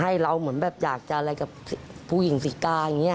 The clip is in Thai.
ให้เราเหมือนแบบอยากจะอะไรกับผู้หญิงสิกาอย่างนี้